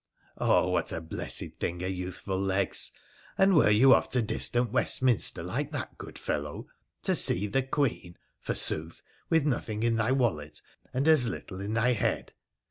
' Oh, what a blessed thing are youthful legs ! And were you off to distant Westminster like that, good fellow, " to see the Queen," forsooth, with nothing in thy wallet, and as little in thy head